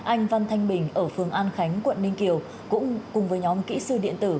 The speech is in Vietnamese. anh văn thanh bình ở phường an khánh quận ninh kiều cũng cùng với nhóm kỹ sư điện tử